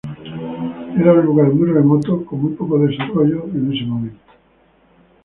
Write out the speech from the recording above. Era un lugar muy remoto, con muy poco desarrollo en ese momento.